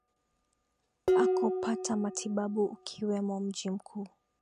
akopata matibabu ukiwemo mji mkuu